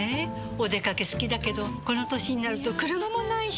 お出かけ好きだけどこの歳になると車もないし。